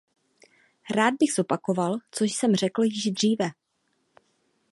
Rád bych zopakoval, co jsem řekl již dříve.